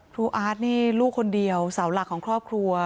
อาร์ตนี่ลูกคนเดียวเสาหลักของครอบครัว